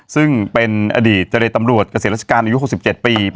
ซึ่งเป็นอดีตเจรตำรวจเกษตรราชการอายุ๖๗ปี